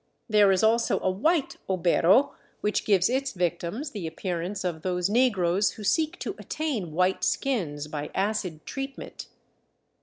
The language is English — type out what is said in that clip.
There is also a white " obero," which gives its victims the appearance of those negroes who seek to attain white skins by acid treatment.